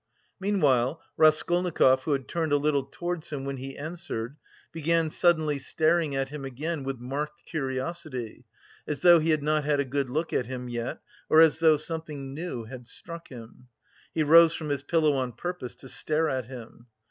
Meanwhile Raskolnikov, who had turned a little towards him when he answered, began suddenly staring at him again with marked curiosity, as though he had not had a good look at him yet, or as though something new had struck him; he rose from his pillow on purpose to stare at him.